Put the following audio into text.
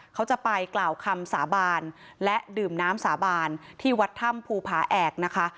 เขาจะไปกล่าวคำสาบานและดื่มน้ำสาบานที่วัดถ้ำภูผาแอกนะคะ